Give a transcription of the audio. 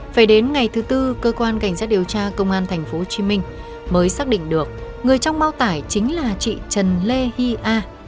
phải đến ngày thứ tư cơ quan cảnh sát điều tra công an tp hcm mới xác định được người trong bao tải chính là chị trần lê hy a